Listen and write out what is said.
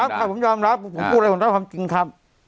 ยอมรับครับผมยอมรับผมพูดอะไรผมต้องรับความจริงครับ